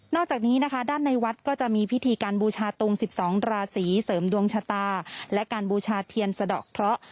จากนี้นะคะด้านในวัดก็จะมีพิธีการบูชาตุง๑๒ราศีเสริมดวงชะตาและการบูชาเทียนสะดอกเคราะห์